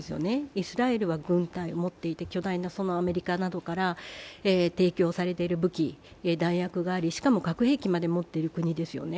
イスラエルは軍隊を持っていて、アメリカなどから巨大な、提供されている武器・弾薬などがありしかも核兵器まで持っている国ですよね。